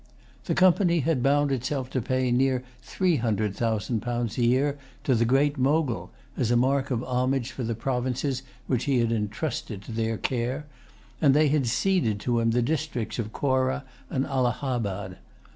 The Company had bound itself to pay near three hundred thousand pounds a year to the Great Mogul, as a mark of homage for the provinces which he had entrusted to their care; and they had ceded to him the districts of Corah and Allahabad.